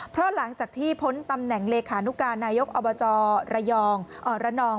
เพราะหลังจากที่พ้นตำแหน่งรนอบจระยองระนอง